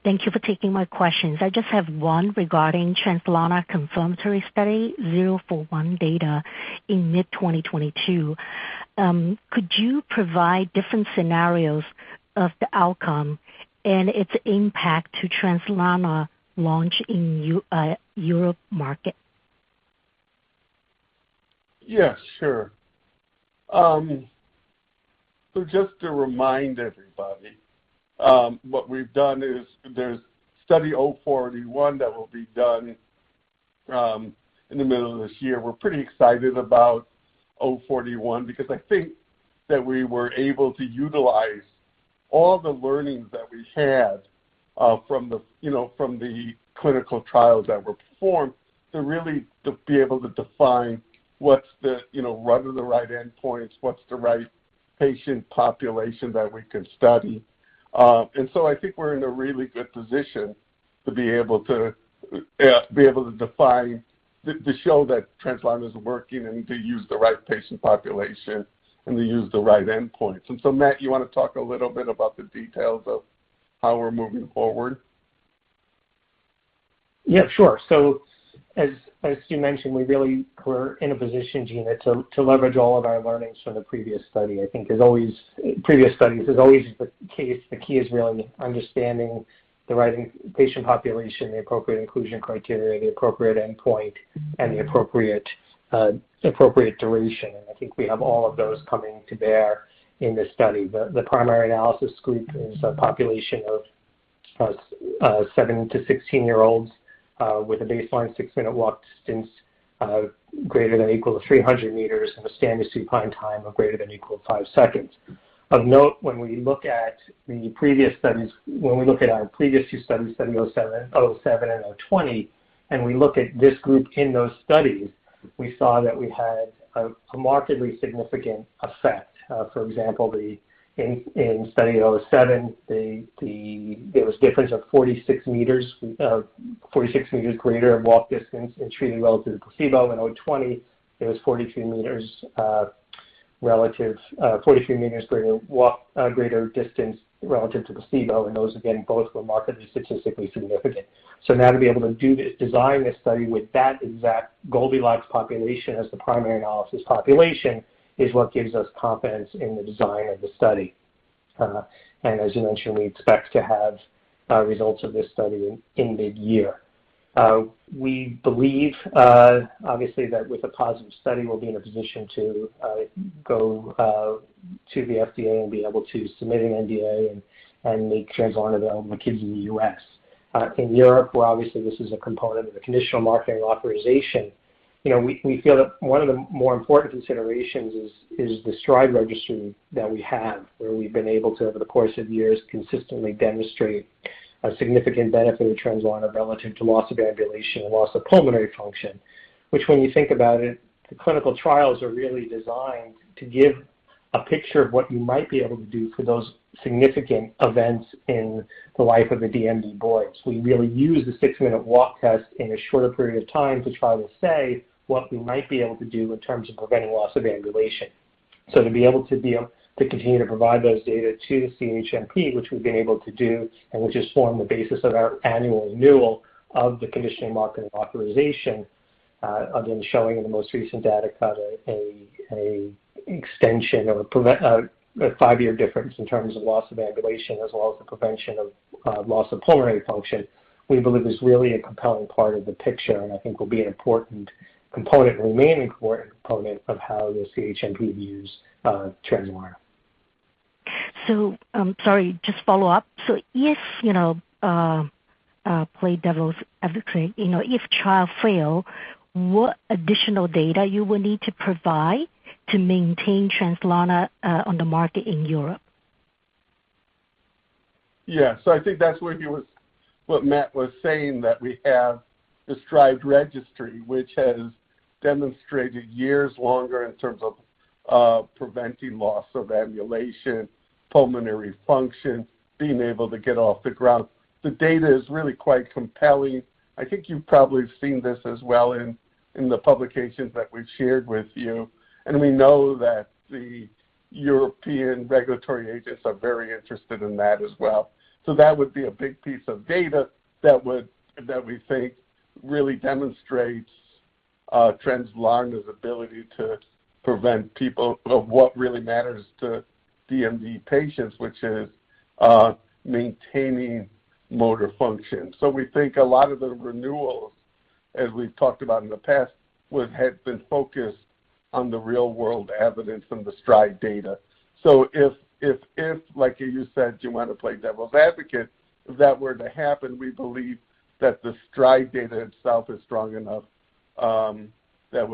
Thank you for taking my questions. I just have one regarding Translarna confirmatory Study 041 data in mid-2022. Could you provide different scenarios of the outcome and its impact to Translarna launch in European market? Yeah, sure. Just to remind everybody, what we've done is there's Study 041 that will be done in the middle of this year. We're pretty excited about Study 041 because I think that we were able to utilize all the learnings that we had, you know, from the clinical trials that were performed to really be able to define what are the right endpoints, what's the right patient population that we can study. I think we're in a really good position to be able to define, to show that Translarna is working and to use the right patient population and to use the right endpoints. Matt, you wanna talk a little bit about the details of how we're moving forward? Yeah, sure. As you mentioned, we really were in a position, Gena, to leverage all of our learnings from the previous study. I think as always is the case with previous studies, the key is really understanding the right patient population, the appropriate inclusion criteria, the appropriate endpoint, and the appropriate duration. I think we have all of those coming to bear in this study. The primary analysis group is a population of seven- to 16-year-olds with a baseline six-minute walk distance greater than or equal to 300 meters and a standing supine time of greater than or equal to five seconds. Of note, when we look at our previous two studies, Study 007 and Study 020, and we look at this group in those studies, we saw that we had a markedly significant effect. For example, in Study 007, there was a difference of 46 meters greater walk distance in treated relative to placebo. In Study 020, it was 42 meters greater walk distance relative to placebo, and those again both were markedly statistically significant. Now to be able to do this, design this study with that exact Goldilocks population as the primary analysis population is what gives us confidence in the design of the study. As you mentioned, we expect to have results of this study in mid-year. We believe, obviously, that with a positive study, we'll be in a position to go to the FDA and be able to submit an NDA and make Translarna available to kids in the U.S. In Europe, where obviously this is a component of the conditional marketing authorization, you know, we feel that one of the more important considerations is the STRIDE registry that we have. Where we've been able to, over the course of years, consistently demonstrate a significant benefit of Translarna relative to loss of ambulation and loss of pulmonary function. Which when you think about it, the clinical trials are really designed to give a picture of what you might be able to do for those significant events in the life of a DMD boy. We really use the six-minute walk test in a shorter period of time. The trial will say what we might be able to do in terms of preventing loss of ambulation. To be able to continue to provide those data to CHMP, which we've been able to do and which has formed the basis of our annual renewal of the conditional marketing authorization, again, showing in the most recent data cut a extension or a five-year difference in terms of loss of ambulation as well as the prevention of loss of pulmonary function, we believe is really a compelling part of the picture and I think will be an important component and remain an important component of how the CHMP views Translarna. Sorry, just follow up. If, you know, play devil's advocate, you know, if trial fail, what additional data you will need to provide to maintain Translarna on the market in Europe? Yeah. I think that's where he was—what Matt was saying, that we have the STRIDE registry, which has demonstrated years longer in terms of preventing loss of ambulation, pulmonary function, being able to get off the ground. The data is really quite compelling. I think you've probably seen this as well in the publications that we've shared with you. We know that the European regulatory agencies are very interested in that as well. That would be a big piece of data that we think really demonstrates Translarna's ability to prevent loss of what really matters to DMD patients, which is maintaining motor function. We think a lot of the renewals, as we've talked about in the past, would have been focused on the real-world evidence and the STRIDE data. If, like you said, you want to play devil's advocate, if that were to happen, we believe that the STRIDE data itself is strong enough that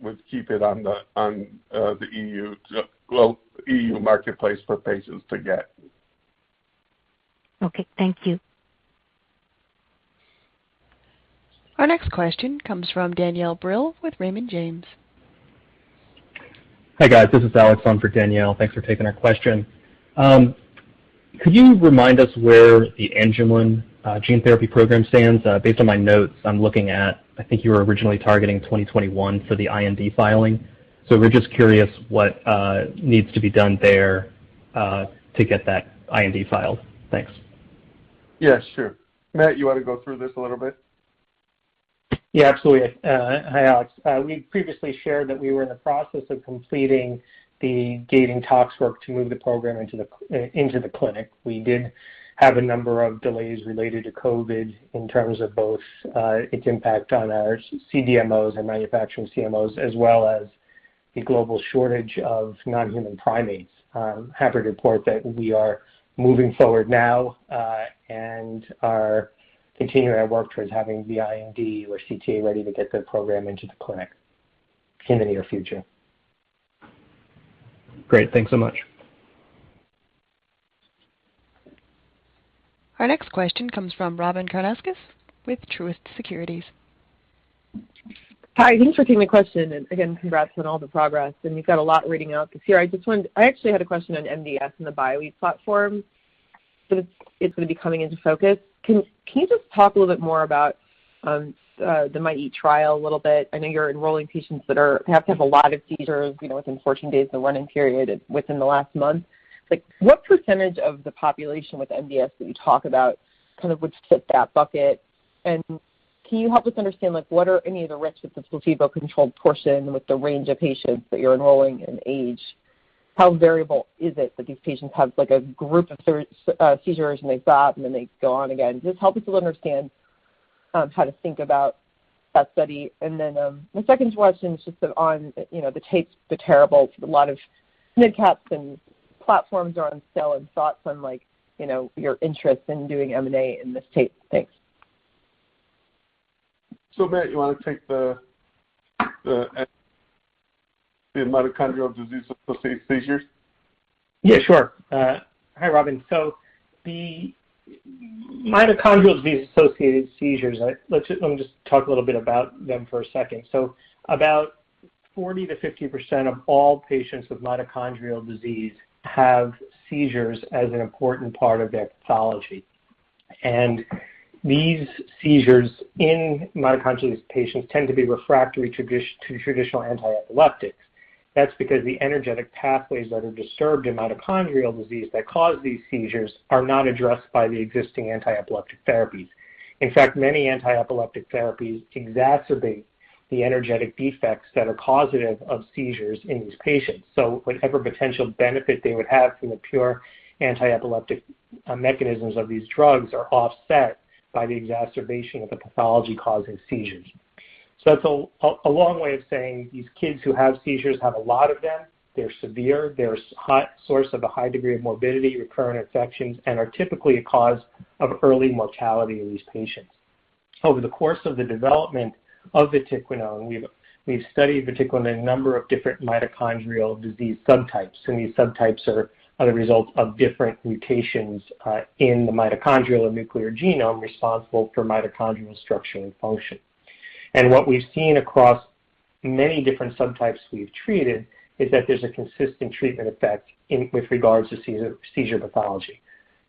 would keep it on the EU marketplace for patients to get. Okay, thank you. Our next question comes from Danielle Brill with Raymond James. Hi, guys. This is Alec on for Danielle. Thanks for taking our question. Could you remind us where the Angelman gene therapy program stands? Based on my notes I'm looking at, I think you were originally targeting 2021 for the IND filing. We're just curious what needs to be done there to get that IND filed. Thanks. Yeah, sure. Matt, you wanna go through this a little bit? Yeah, absolutely. Hi, Alec. We previously shared that we were in the process of completing the gating tox work to move the program into the clinic. We did have a number of delays related to COVID in terms of both its impact on our CDMOs and manufacturing CMOs, as well as the global shortage of non-human primates. Happy to report that we are moving forward now and are continuing our work towards having the IND or CTA ready to get the program into the clinic in the near future. Great. Thanks so much. Our next question comes from Robyn Karnauskas with Truist Securities. Hi, thanks for taking my question, and again, congrats on all the progress. We've got a lot reading out this year. I actually had a question on MDS and the Bio-e platform. It's gonna be coming into focus. Can you just talk a little bit more about the MIT-E trial a little bit? I know you're enrolling patients that have to have a lot of seizures, you know, within 14 days of the run-in period within the last month. Like, what percentage of the population with MDS that you talk about kind of would fit that bucket? And can you help us understand, like, what are any of the risks with the placebo-controlled portion with the range of patients that you're enrolling in age? How variable is it that these patients have, like, a group of seizures and they stop, and then they go on again? Just help us a little understand how to think about that study. Then my second question is just on, you know, the tape's, the terrible. A lot of mid caps and platforms are on sale and thoughts on, like, you know, your interest in doing M&A in this tape. Thanks. Matt, you wanna take the mitochondrial disease-associated seizures? Yeah, sure. Hi, Robyn. The mitochondrial disease-associated seizures, let me just talk a little bit about them for a second. About 40%-50% of all patients with mitochondrial disease have seizures as an important part of their pathology. These seizures in mitochondrial disease patients tend to be refractory to traditional antiepileptics. That's because the energetic pathways that are disturbed in mitochondrial disease that cause these seizures are not addressed by the existing antiepileptic therapies. In fact, many antiepileptic therapies exacerbate the energetic defects that are causative of seizures in these patients. Whatever potential benefit they would have from the pure antiepileptic mechanisms of these drugs are offset by the exacerbation of the pathology-causing seizures. It's a long way of saying these kids who have seizures have a lot of them, they're severe, they're a source of a high degree of morbidity, recurrent infections, and are typically a cause of early mortality in these patients. Over the course of the development of Vatiquinone, we've studied Vatiquinone in a number of different mitochondrial disease subtypes, and these subtypes are the result of different mutations in the mitochondrial and nuclear genome responsible for mitochondrial structure and function. What we've seen across many different subtypes we've treated is that there's a consistent treatment effect with regards to seizure pathology,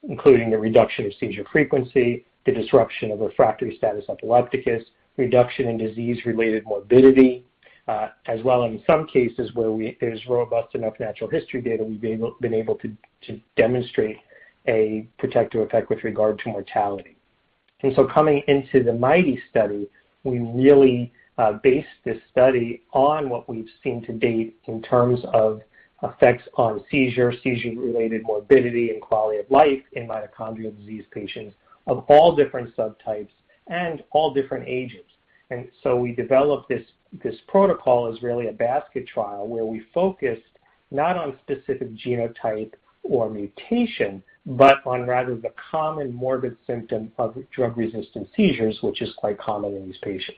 including the reduction of seizure frequency, the disruption of refractory status epilepticus, reduction in disease-related morbidity, as well in some cases where there's robust enough natural history data, we've been able to demonstrate a protective effect with regard to mortality. Coming into the MIT-E study, we based this study on what we've seen to date in terms of effects on seizure-related morbidity and quality of life in mitochondrial disease patients of all different subtypes and all different ages. We developed this protocol as really a basket trial where we focused not on specific genotype or mutation, but rather on the common morbid symptom of drug-resistant seizures, which is quite common in these patients.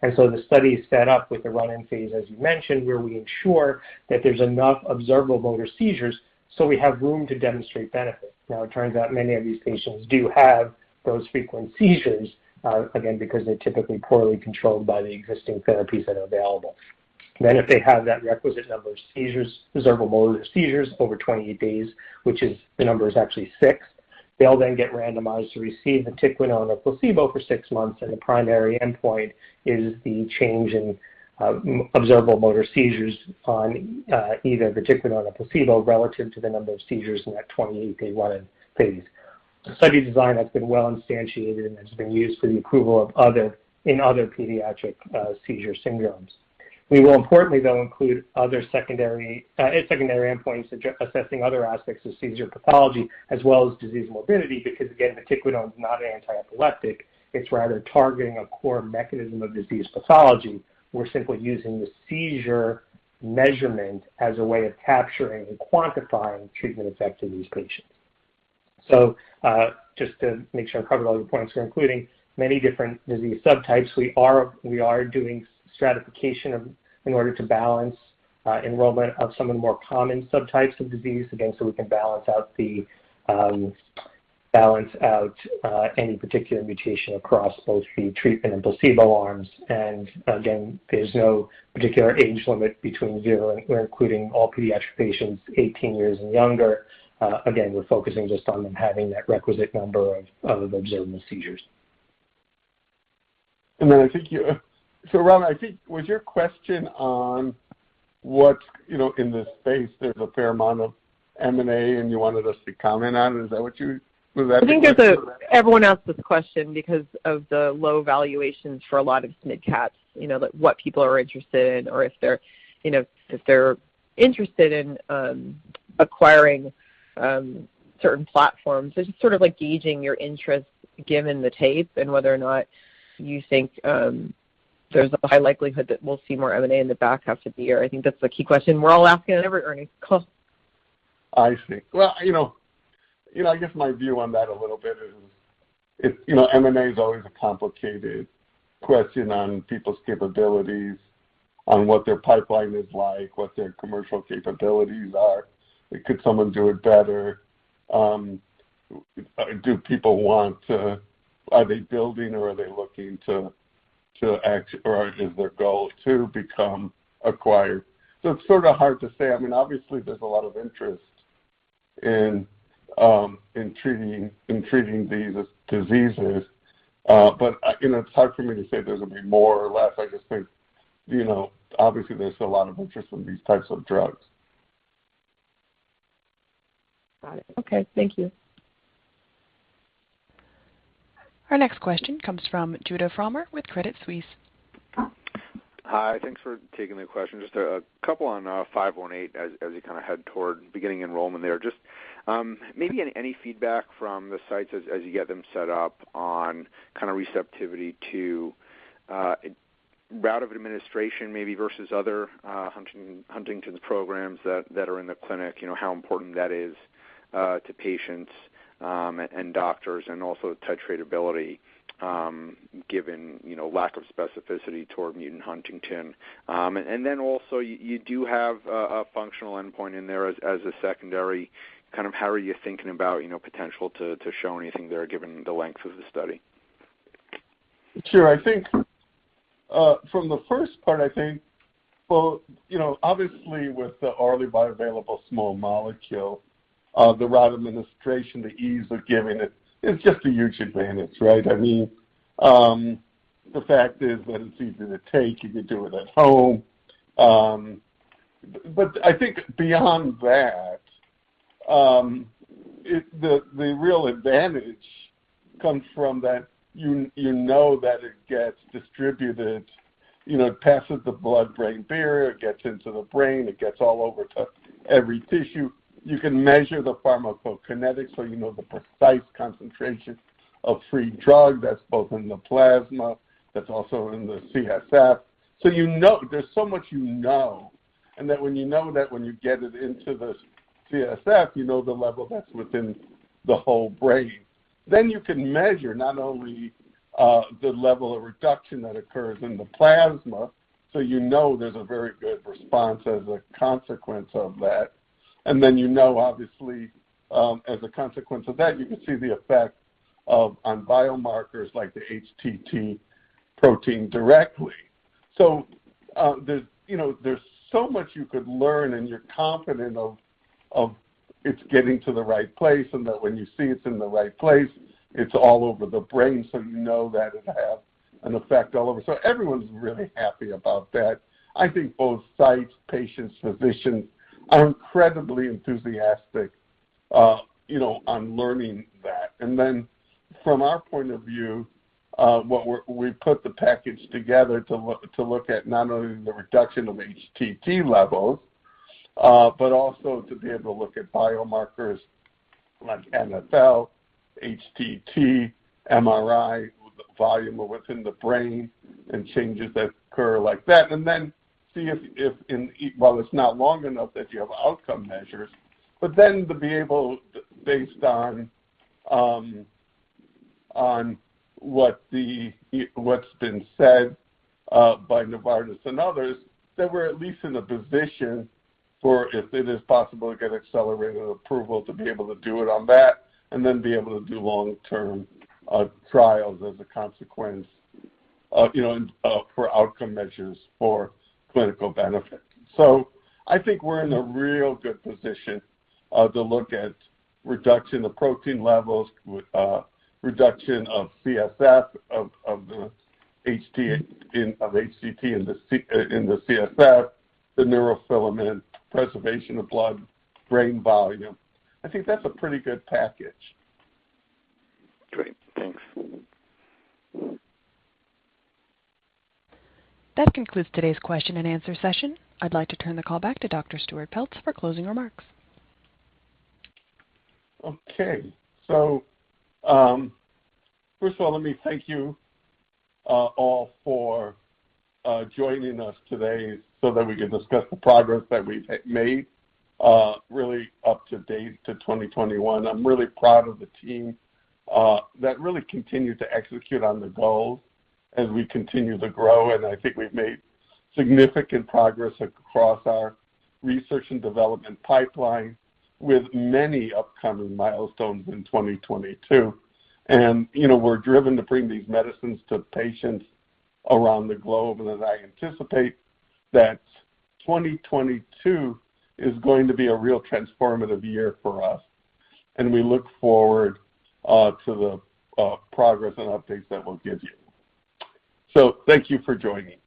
The study is set up with the run-in phase, as you mentioned, where we ensure that there's enough observable motor seizures, so we have room to demonstrate benefit. Now, it turns out many of these patients do have those frequent seizures, again, because they're typically poorly controlled by the existing therapies that are available. Then if they have that requisite number of seizures, observable motor seizures over 28 days, which is the number is actually six, they'll then get randomized to receive Vatiquinone or placebo for six months, and the primary endpoint is the change in observable motor seizures on either Vatiquinone or placebo relative to the number of seizures in that 28-day run-in phase. The study design has been well instantiated, and it's been used for the approval of other in other pediatric seizure syndromes. We will importantly, though, include other secondary endpoints, assessing other aspects of seizure pathology as well as disease morbidity because, again, Vatiquinone is not an antiepileptic. It's rather targeting a core mechanism of disease pathology. We're simply using the seizure measurement as a way of capturing and quantifying treatment effect in these patients. Just to make sure I covered all the points here, including many different disease subtypes, we are doing stratification in order to balance enrollment of some of the more common subtypes of disease, again, so we can balance out any particular mutation across both the treatment and placebo arms. Again, there's no particular age limit between zero and 18. We're including all pediatric patients 18 years and younger. Again, we're focusing just on them having that requisite number of observable seizures. Robyn, I think that was your question on what, you know, in this space there's a fair amount of M&A and you wanted us to comment on? Is that what you? I think everyone asks this question because of the low valuations for a lot of SMID caps, you know, like, what people are interested in or if they're, you know, interested in acquiring certain platforms. Just sort of like gauging your interest given the tape and whether or not you think there's a high likelihood that we'll see more M&A in the back half of the year. I think that's the key question we're all asking, every earnings call. I see. Well, you know, I guess my view on that a little bit is it's, you know, M&A is always a complicated question on people's capabilities, on what their pipeline is like, what their commercial capabilities are. Could someone do it better? Are they building or are they looking to acquire or is their goal to become acquired? It's sort of hard to say. I mean, obviously, there's a lot of interest in treating these diseases, but, you know, it's hard for me to say there's gonna be more or less. I just think, you know, obviously, there's a lot of interest in these types of drugs. Got it. Okay. Thank you. Our next question comes from Judah Frommer with Credit Suisse. Hi. Thanks for taking the question. Just a couple on PTC518 as we kind of head toward beginning enrollment there. Just maybe any feedback from the sites as you get them set up on kind of receptivity to route of administration maybe versus other Huntington's programs that are in the clinic, you know, how important that is to patients and doctors, and also titratability given, you know, lack of specificity toward mutant huntingtin. And then also you do have a functional endpoint in there as a secondary. Kind of how are you thinking about, you know, potential to show anything there given the length of the study? Sure. I think from the first part, I think, well, you know, obviously with the orally bioavailable small molecule, the right administration, the ease of giving it is just a huge advantage, right? I mean, the fact is that it's easy to take. You can do it at home. But I think beyond that, the real advantage comes from that you know that it gets distributed. You know, it passes the blood-brain barrier. It gets into the brain. It gets all over to every tissue. You can measure the pharmacokinetics, so you know the precise concentration of free drug that's both in the plasma, that's also in the CSF. So you know, there's so much you know, and that when you get it into the CSF, you know the level that's within the whole brain. You can measure not only the level of reduction that occurs in the plasma, so you know there's a very good response as a consequence of that. You know, obviously, as a consequence of that, you can see the effect of on biomarkers like the HTT protein directly. There's, you know, so much you could learn, and you're confident of it's getting to the right place and that when you see it's in the right place, it's all over the brain, so you know that it has an effect all over. Everyone's really happy about that. I think both sites, patients, physicians are incredibly enthusiastic, you know, on learning that. From our point of view, we put the package together to look at not only the reduction of HTT levels, but also to be able to look at biomarkers like NfL, HTT, MRI, volume within the brain and changes that occur like that. See if, well, it's not long enough that you have outcome measures, but then to be able, based on what's been said by Novartis and others, that we're at least in a position if it is possible to get accelerated approval to be able to do it on that, and be able to do long-term trials as a consequence of, you know, and for outcome measures for clinical benefit. I think we're in a real good position to look at reduction of protein levels with reduction of HTT in the CSF, the neurofilament, preservation of whole brain volume. I think that's a pretty good package. Great. Thanks. That concludes today's question and answer session. I'd like to turn the call back to Dr. Stuart Peltz for closing remarks. Okay. First of all, let me thank you all for joining us today so that we can discuss the progress that we've made really up to date to 2021. I'm really proud of the team that really continued to execute on the goals as we continue to grow. I think we've made significant progress across our research and development pipeline with many upcoming milestones in 2022. You know, we're driven to bring these medicines to patients around the globe, and as I anticipate that 2022 is going to be a real transformative year for us, and we look forward to the progress and updates that we'll give you. Thank you for joining.